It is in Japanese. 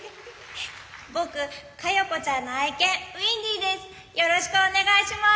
「僕嘉代子ちゃんの愛犬ウインディです。